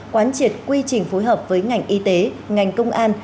quán triệt quy trình phối hợp với ngành y tế ngành công an